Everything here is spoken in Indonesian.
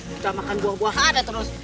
kita makan buah buahan ya terus